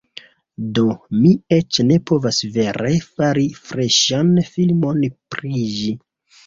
Do, mi eĉ ne povas vere fari freŝan filmon pri ĝi